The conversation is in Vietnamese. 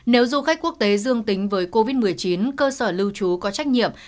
nếu du khách quốc tế dương tính với covid một mươi chín cơ sở lưu trú có trách nhiệm